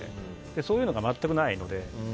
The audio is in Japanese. そういうのが全くないので。